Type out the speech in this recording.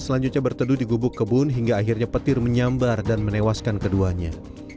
selanjutnya berteduh di gubuk kebun hingga akhirnya petir menyambar dan menewaskan keduanya